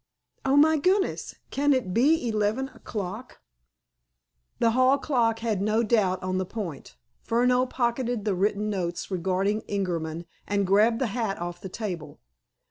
Oh, my goodness, can it be eleven o'clock!" The hall clock had no doubt on the point. Furneaux pocketed the written notes regarding Ingerman, and grabbed the hat off the table.